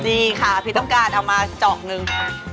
ดีค่ะพี่ต้องการเอามาเจาะหนึ่ง